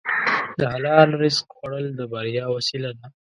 د حلال رزق خوړل د بریا وسیله ده.